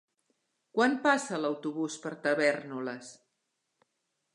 Quan passa l'autobús per Tavèrnoles?